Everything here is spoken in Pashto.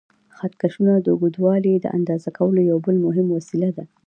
خط کشونه د اوږدوالي د اندازه کولو یو بل مهم وسیله ده.